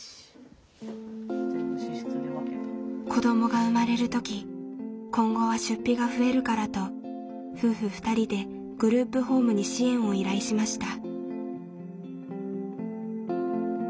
子どもが生まれる時今後は出費が増えるからと夫婦２人でグループホームに支援を依頼しました。